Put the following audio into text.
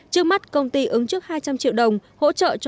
trước mắt công ty ứng trước hai trăm linh triệu đồng hỗ trợ cho các hộ